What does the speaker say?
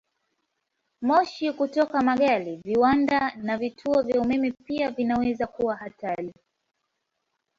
Moshi kutoka magari, viwanda, na vituo vya umeme pia vinaweza kuwa hatari.